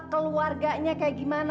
keluarganya kayak gimana